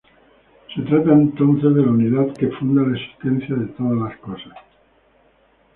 Se trata entonces de la Unidad que funda la existencia de todas las cosas.